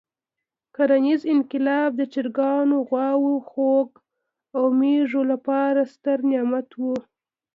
کرنیز انقلاب د چرګانو، غواوو، خوګ او مېږو لپاره ستر نعمت وو.